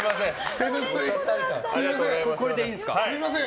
すみません。